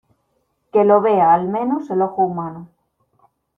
que lo vea, al menos , el ojo humano.